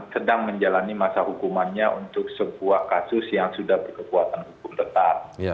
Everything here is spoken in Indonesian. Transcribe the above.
dan dia sedang menjalani masa hukumannya untuk sebuah kasus yang sudah berkekuatan hukum tetap